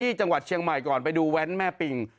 ที่จังหวัดเชียงใหม่ก่อนไปดูแว้นแม่ปิง